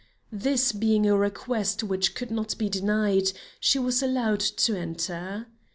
This being a request which could not be denied, she was allowed to enter.